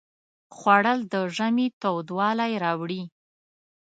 خوړل د ژمي تودوالی راوړي